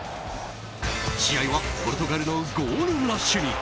試合はポルトガルのゴールラッシュに。